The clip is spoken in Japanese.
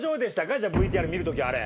じゃあＶＴＲ見る時あれ。